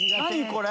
これ！